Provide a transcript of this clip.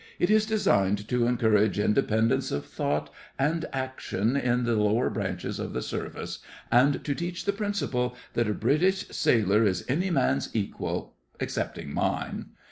It is designed to encourage independence of thought and action in the lower branches of the service, and to teach the principle that a British sailor is any man's equal, excepting mine.